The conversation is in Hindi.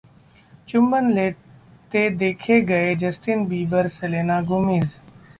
चुंबन लेते देखे गए जस्टिन बीबर, सेलेना गोमेज